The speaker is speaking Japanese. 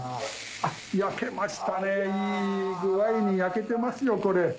焼けましたねいい具合に焼けてますよこれ。